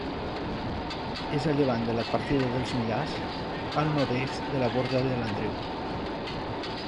És a llevant de la partida dels Millars, al nord-est de la Borda de l'Andreu.